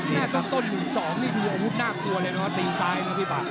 แม่ก็ต้นอยู่๒นี่ดูอรุณน่ากลัวเลยนะว่าทีมซ้ายนะพี่บ้าง